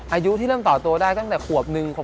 อายุที่เริ่มต่อตัวได้ตั้งแต่ขวบหนึ่งขวบ